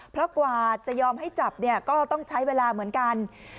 เพราะกว่าจะยอมให้จับเนี่ยก็ต้องใช้เวลาเหมือนกัน